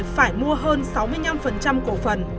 phải mua hơn sáu mươi năm cổ phần